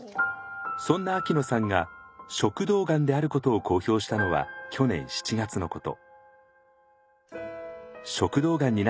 そんな秋野さんが食道がんであることを公表したのは去年７月のこと。